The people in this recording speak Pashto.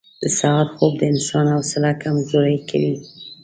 • د سهار خوب د انسان حوصله کمزورې کوي.